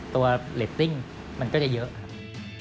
ตัวเรตติ้งมันก็จะเยอะครับ